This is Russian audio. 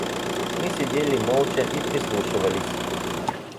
Мы сидели молча и прислушивались.